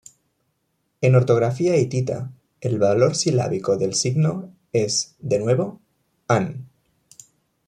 En ortografía hitita, el valor silábico del signo es, de nuevo, "an".